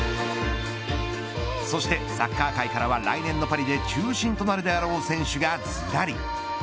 そしてサッカー界からは来年のパリで中心となるであろう選手がズラリ。